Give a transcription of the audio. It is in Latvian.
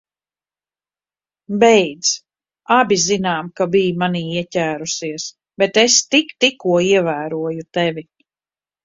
Beidz. Abi zinām, ka biji manī ieķērusies, bet es tik tikko ievēroju tevi.